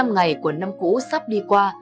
ba trăm sáu mươi năm ngày của năm cũ sắp đi qua